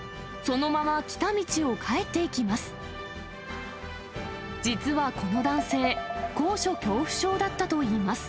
そのまま来た道を帰っていきます。